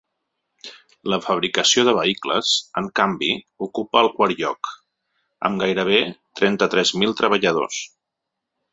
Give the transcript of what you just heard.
La fabricació de vehicles, en canvi, ocupa el quart lloc, amb gairebé trenta-tres mil treballadors.